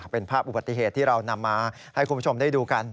เป็นภาพอุบัติเหตุที่เรานำมาให้คุณผู้ชมได้ดูกัน